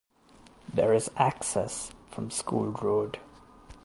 There is access from School Road.